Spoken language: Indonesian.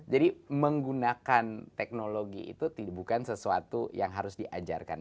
jadi menggunakan teknologi itu bukan sesuatu yang harus diajarkan